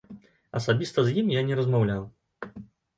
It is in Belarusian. Асабіста з ім я не размаўляў.